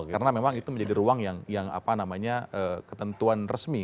karena memang itu menjadi ruang yang ketentuan resmi